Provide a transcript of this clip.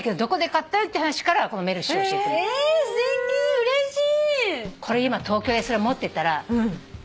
うれしい。